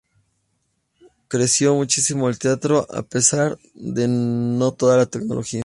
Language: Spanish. Creció muchísimo el teatro a pesar de toda la tecnología.